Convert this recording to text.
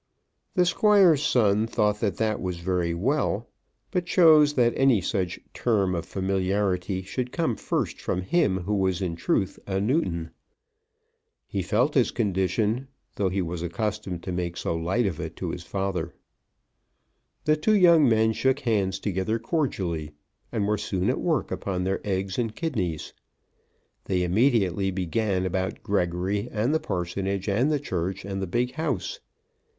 The Squire's son thought that that was very well, but chose that any such term of familiarity should come first from him who was in truth a Newton. He felt his condition, though he was accustomed to make so light of it to his father. The two young men shook hands together cordially, and were soon at work upon their eggs and kidneys. They immediately began about Gregory and the parsonage and the church, and the big house.